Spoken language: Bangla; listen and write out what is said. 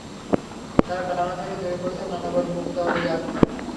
তার ডানা থেকে ঝরে পড়ছিল নানা বর্ণের মুক্তা ও ইয়াকুত।